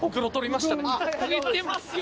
見てますよ！